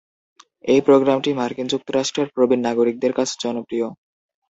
এই প্রোগ্রামটি মার্কিন যুক্তরাষ্ট্রের প্রবীণ নাগরিকদের কাছে জনপ্রিয়।